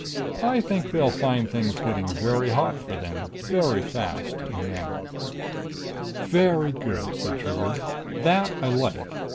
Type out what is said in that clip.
I think they'll find things getting very hot for them very fast in Manon." "Very good," said Trigger. "That I like!